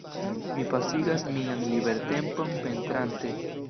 Mi pasigas mian libertempon pentrante.